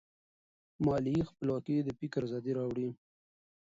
مالي خپلواکي د فکر ازادي راوړي.